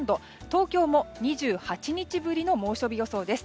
東京も２８日ぶりの猛暑日予想です。